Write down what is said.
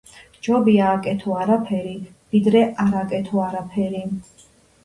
ჯობია აკეთო არაფერი ვიდრე არ აკეთო არაფერი.